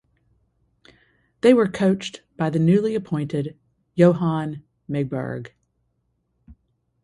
They were coached by the newly appointed Johann Myburgh.